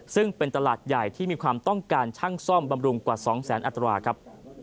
ซึ่งเป็นตลาดใหญ่ที่มีความต้องการช่างซ่อมบำรุงกว่า๒แสนอัตราครับ